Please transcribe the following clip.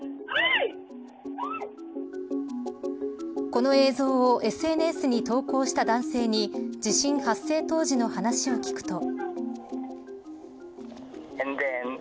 この映像をＳＮＳに投稿した男性に地震発生当時の話を聞くと。